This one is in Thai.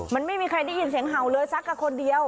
มันไม่มีใครได้ยินเสียงเห่าเลยสักกับคนเดียว